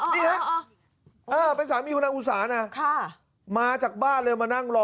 นี่ฮะเป็นสามีของนางอุสานะมาจากบ้านเลยมานั่งรอ